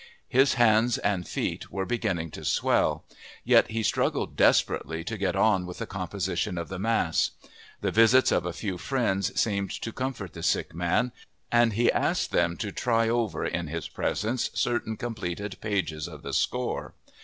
His hands and feet were beginning to swell. Yet he struggled desperately to get on with the composition of the mass. The visits of a few friends seemed to comfort the sick man, and he asked them to try over in his presence certain completed pages of the score.